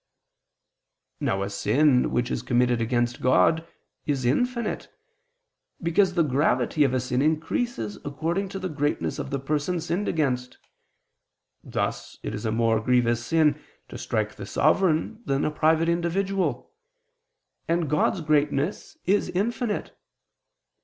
Now a sin which is committed against God, is infinite: because the gravity of a sin increases according to the greatness of the person sinned against (thus it is a more grievous sin to strike the sovereign than a private individual), and God's greatness is infinite.